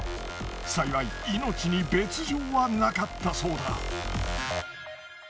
幸い命に別状はなかったそうだ。